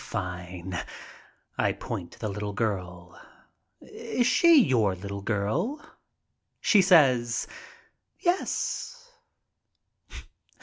"Fine." I point to the little girl. "Is she your little girl?" She says, "Yes."